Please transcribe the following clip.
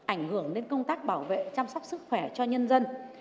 ảnh hưởng đến công tác bảo vệ chăm sóc sức khỏe cho nhân dân